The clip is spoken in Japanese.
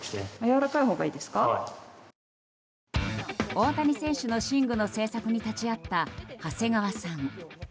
大谷選手の寝具の製作に立ち会った長谷川さん。